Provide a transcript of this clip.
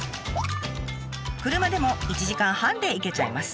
車でも１時間半で行けちゃいます。